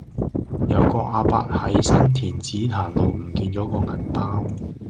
有個亞伯喺新田紫檀路唔見左個銀包